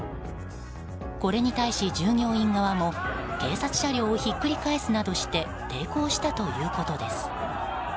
これに対し、従業員側も警察車両をひっくり返すなどして抵抗したということです。